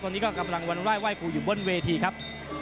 ตอนนี้ก็กำลังวันไห้ครูอยู่บนเวทีครับ